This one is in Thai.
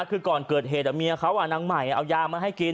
คือก่อนเกิดเหตุอ่ะเมียเขานางใหม่เนี่ยเอายางให้กิน